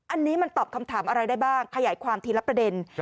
อันนี้มันตอบคำถามอะไรได้บ้างขยายความทีละประเด็น